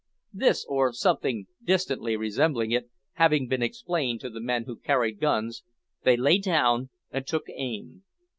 This, or something distantly resembling it, having been explained to the men who carried guns, they lay down and took aim.